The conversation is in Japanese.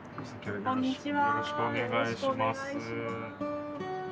よろしくお願いします。